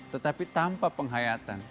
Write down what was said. tetapi tanpa penghayatan